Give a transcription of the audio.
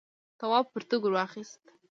تواب پرتوگ ور واخیست.